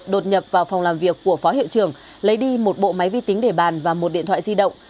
dòng làm việc của phó hiệu trưởng lấy đi một bộ máy vi tính để bàn và một điện thoại di động